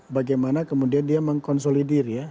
bagaimana kemudian dia mengkonsolidir ya